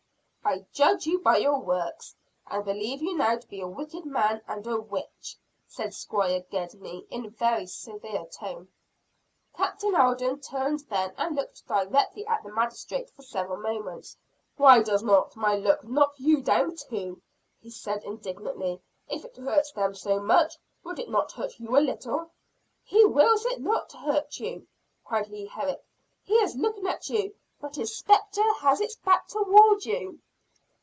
"I judge you by your works; and believe you now to be a wicked man and a witch," said Squire Gedney in a very severe tone. Captain Alden turned then and looked directly at the magistrate for several moments. "Why does not my look knock you down too?" he said indignantly. "If it hurts them so much, would it not hurt you a little?" "He wills it not to hurt you," cried Leah Herrick. "He is looking at you, but his spectre has its back towards you."